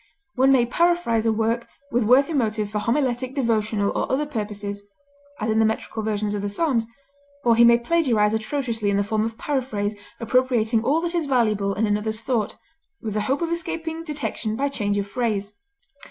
One may paraphrase a work with worthy motive for homiletic, devotional, or other purposes (as in the metrical versions of the Psalms), or he may plagiarize atrociously in the form of paraphrase, appropriating all that is valuable in another's thought, with the hope of escaping detection by change of phrase.